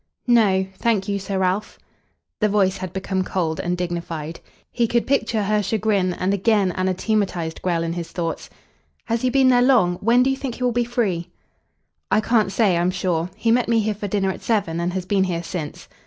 "No, thank you, Sir Ralph." The voice had become cold and dignified. He could picture her chagrin, and again anathematised Grell in his thoughts. "Has he been there long? When do you think he will be free?" "I can't say, I'm sure. He met me here for dinner at seven and has been here since."